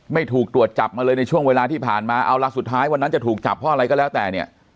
ไม่ถูกตรวจจับมาเลยในช่วงเวลาที่ผ่านมาเอาละสุดท้ายวันนั้นจะถูกจับเพราะอะไรก็แล้วแต่เนี่ย